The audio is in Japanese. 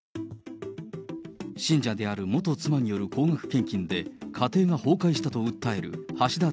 信者である元妻による高額献金で家庭が崩壊したと訴える橋田